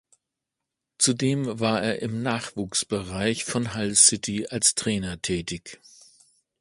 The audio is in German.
Zudem war er im Nachwuchsbereich von Hull City als Trainer tätig.